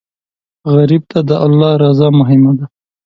غریب ته د الله رضا مهمه ده